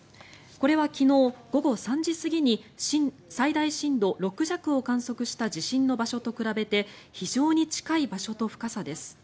これは昨日午後３時過ぎに最大震度６弱を観測した地震の場所と比べて非常に近い場所と深さです。